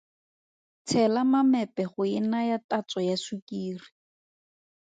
Tshela mamepe go e naya tatso ya sukiri.